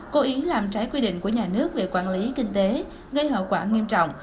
cố ý làm trái quy định của nhà nước về quản lý kinh tế gây hậu quả nghiêm trọng